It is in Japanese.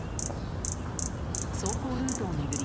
走行ルートを巡り